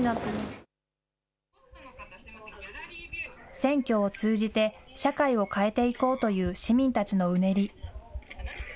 選挙を通じて社会を変えていこうという市民たちのうねり。